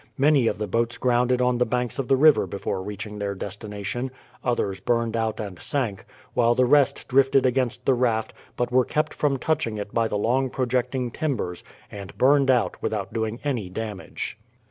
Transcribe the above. Many of the boats grounded on the banks of the river before reaching their destination, others burned out and sank, while the rest drifted against the raft, but were kept from touching it by the long projecting timbers, and burned out without doing any damage.